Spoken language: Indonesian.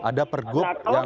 ada pergub yang